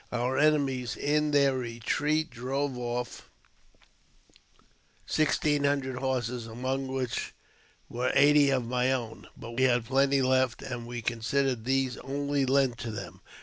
Our enemies in their retreat, drove off sixteen hundred horses, among which were eighty of my own, but we had plenty left, and we considered these only lent to them.